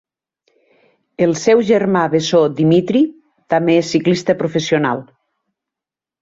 El seu germà bessó Dmitri també és ciclista professional.